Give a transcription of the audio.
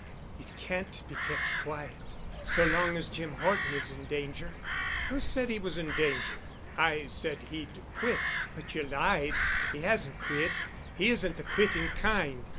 "It can't be kept quiet, so long as Jim Horton is in danger." "Who said he was in danger? I said he'd quit——" "But you lied. He hasn't quit. He isn't the quitting kind.